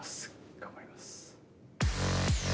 頑張ります。